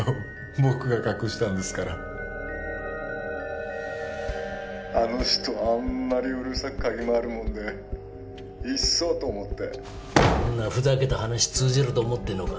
僕が隠したんですからあの人あんまりうるさく嗅ぎまわるもんでいっそと思ってそんなふざけた話通じると思ってんのか？